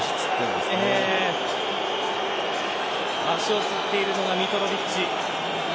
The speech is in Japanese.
足をつっているのがミトロヴィッチ。